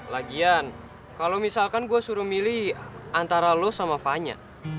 lagian kalau misalkan gue suruh milih antara lo sama fanya